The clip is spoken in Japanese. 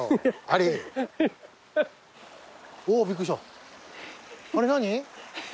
あれ何？